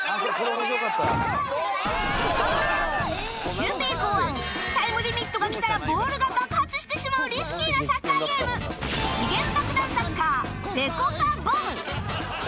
シュウペイ考案タイムリミットが来たらボールが爆発してしまうリスキーなサッカーゲーム『時限爆弾サッカーぺこぱ ＢＯＭＢ』